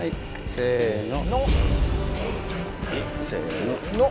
せの。